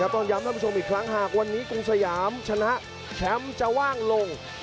ต้องย้ำท่านผู้ชมอีกครั้งหากวันนี้กรุงสยามชนะแชมป์จะว่างลง